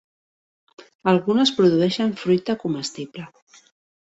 Algunes produeixen fruita comestible.